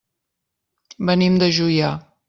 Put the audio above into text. Venim de Juià.